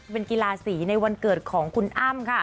เป็นกีฬาสีในวันเกิดของคุณอ้ำค่ะ